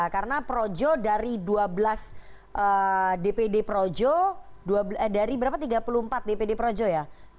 karena projo dari dua belas dpd projo dari berapa tiga puluh empat dpd projo ya